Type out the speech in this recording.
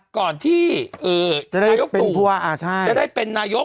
ก่อนที่นายกตู่จะได้เป็นนายก